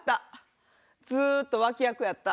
ずっと脇役やった。